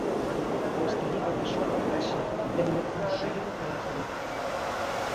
O estalido da súa carraxe deume un súpeto calafrío.